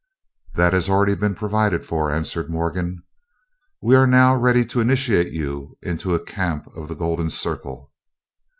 "That has already been provided for," answered Morgan. "We are now ready to initiate you into a camp of the Golden Circle."